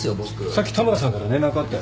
さっき田村さんから連絡あったよ。